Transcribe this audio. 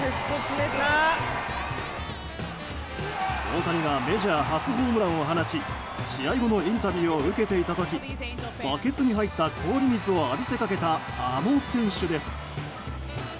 大谷がメジャー初ホームランを放ち試合後のインタビューを受けていた時バケツに入った氷水を浴びせかけた、あの選手です。